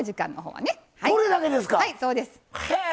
はいそうです。へえ！